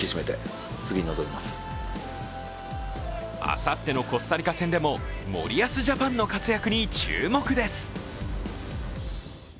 あさってのコスタリカ戦でも森保ジャパンの活躍に注目です。